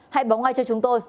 hãy báo ngay cho chúng tôi